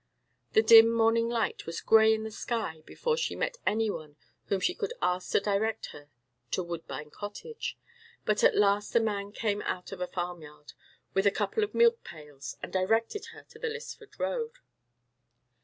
The dim morning light was grey in the sky before she met any one whom she could ask to direct her to Woodbine Cottage; but at last a man came out of a farmyard with a couple of milk pails, and directed her to the Lisford Road.